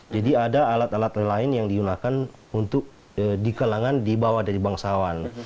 jadi ada alat alat lain lain yang digunakan untuk di kalangan di bawah dari bangsawan